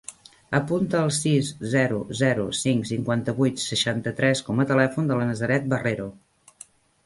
Apunta el sis, zero, zero, cinc, cinquanta-vuit, seixanta-tres com a telèfon de la Nazaret Barrero.